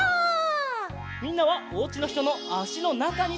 みんなはおうちのひとのあしのなかにすわります。